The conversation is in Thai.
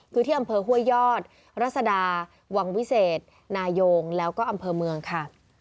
คือที่อำเภอห้วยยอดรัศดาวังวิเศษนายงแล้วก็อำเภอเมืองค่ะ